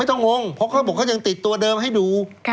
ต้องงงเพราะเขาบอกเขายังติดตัวเดิมให้ดู